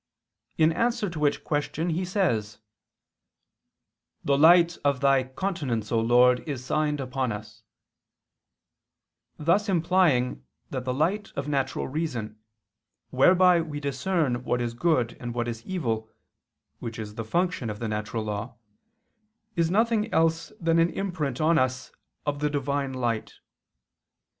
in answer to which question he says: "The light of Thy countenance, O Lord, is signed upon us": thus implying that the light of natural reason, whereby we discern what is good and what is evil, which is the function of the natural law, is nothing else than an imprint on us of the Divine light.